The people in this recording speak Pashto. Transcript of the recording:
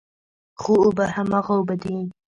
خو اوبه هماغه اوبه دي.